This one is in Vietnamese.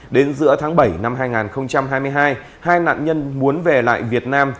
đến giữa tháng bảy năm hai nghìn hai mươi hai hai nạn nhân muốn về lại việt nam